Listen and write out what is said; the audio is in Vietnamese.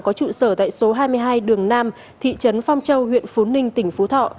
có trụ sở tại số hai mươi hai đường nam thị trấn phong châu huyện phú ninh tỉnh phú thọ